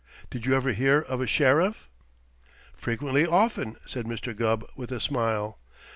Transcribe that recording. Did you ever hear of a sheriff?" "Frequently often," said Mr. Gubb with a smile.